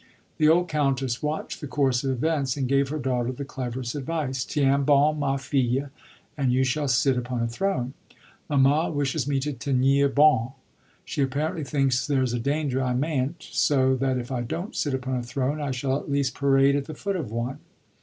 The old countess watched the course of events and gave her daughter the cleverest advice: 'Tiens bon, ma fille, and you shall sit upon a throne.' Mamma wishes me to tenir bon she apparently thinks there's a danger I mayn't so that if I don't sit upon a throne I shall at least parade at the foot of one.